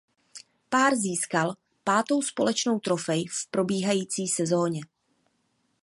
Pár získal pátou společnou trofej v probíhající sezóně.